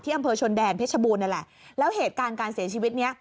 อำเภอชนแดนเพชรบูรณนั่นแหละแล้วเหตุการณ์การเสียชีวิตเนี้ย